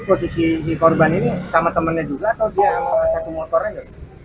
tapi posisi si korban ini sama temennya juga atau dia sama satu motornya